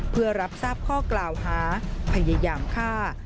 เพื่อรับทราบข้อกล่าวหาพยายามฆ่า